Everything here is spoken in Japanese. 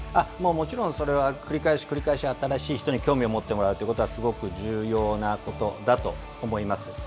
もちろんそれは繰り返し、繰り返し新しい人に興味を持ってもらうということはすごく重要なことだと思います。